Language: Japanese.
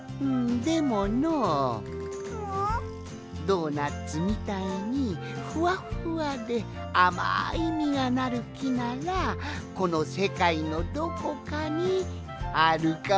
ドーナツみたいにふわっふわであまいみがなるきならこのせかいのどこかにあるかもしれんぞい。